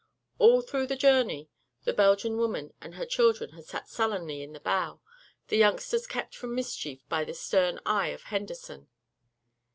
All through the journey the Belgian woman and her children had sat sullenly in the bow, the youngsters kept from mischief by the stern eye of Henderson.